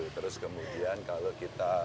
terus kemudian kalau kita